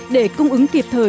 để cung ứng kịp thời